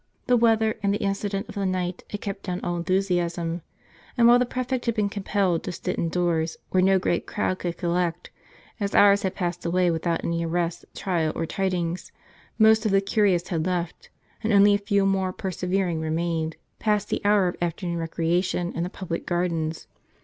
The weather, and the incident of the night, had kept down all enthusiasm ; and while the prefect had been compelled to sit in doors, where no great crowd could collect, as hours had passed away without any arrest, trial, or tidings, most of the curious had left, and only a few more persevering remained, past the hour of afternoon recreation in the public gardens.